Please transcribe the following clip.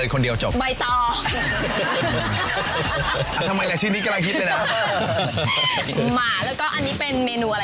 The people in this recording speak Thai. พี่อยากให้หนูกินปลา